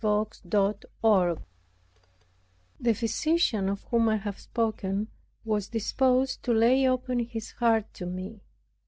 CHAPTER 16 The physician of whom I have spoken, was disposed to lay open his heart to me.